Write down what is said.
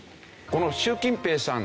この習近平さん